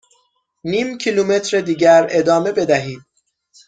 نیم کیلومتر دیگر ادامه بدهید.